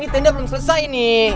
ini tanda belum selesai nih